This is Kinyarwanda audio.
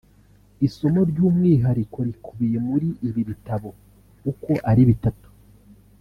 Isomo ry’umwihariko rikubiye muri ibi bitabo uko ari bitatu